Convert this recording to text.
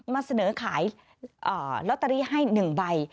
มาเสนอขายลอตเตอรี่ให้๑ใบ